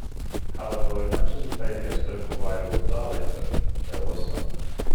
However, when matches were played against local rivals Darlington, there was some.